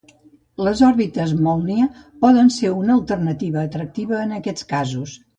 Les òrbites Mólnia poden ser una alternativa atractiva en aquests casos.